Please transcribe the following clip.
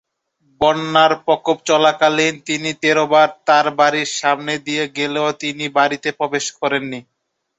বন্যার প্রকোপ চলাকালীন তিনি তেরো বার তার বাড়ির সামনে দিয়ে গেলেও তিনি বাড়িতে প্রবেশ করেননি।